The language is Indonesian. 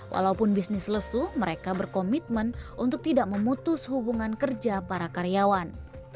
walaupun bisnis lesu mereka berkomitmen untuk tidak memutus hubungan kerja para karyawan